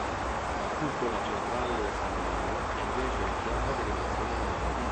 La cupola centrale del Sangallo è invece di chiara derivazione romana.